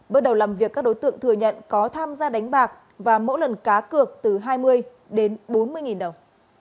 bước đầu làm việc các đối tượng thừa nhận có tham gia đánh bạc và mỗi lần cá cược từ hai mươi đến bốn mươi nghìn đồng